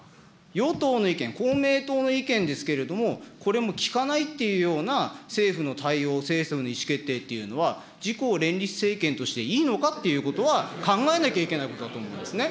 与党の意見、公明党の意見ですけれども、これも聞かないっていうような政府の対応、政府の意思決定というのは、自公連立政権としていいのかっていうことは、考えなきゃいけないことだと思いますね。